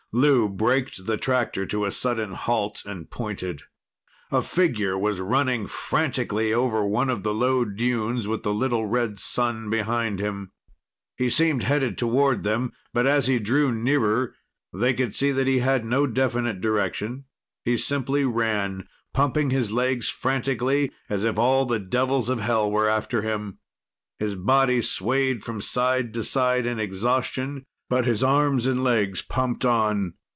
Lou braked the tractor to a sudden halt, and pointed. A figure was running frantically over one of the low dunes with the little red sun behind him. He seemed headed toward them, but as he drew nearer they could see that he had no definite direction. He simply ran, pumping his legs frantically as if all the devils of hell were after him. His body swayed from side to side in exhaustion, but his arms and legs pumped on.